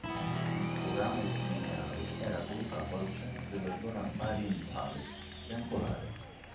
Il forame pineale era collocato al centro della zona parietale triangolare.